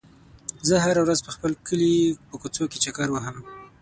زه هره ورځ د خپل کلي په کوڅو کې چکر وهم.